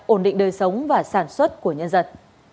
ổn định đời sống và sản xuất của nhân dân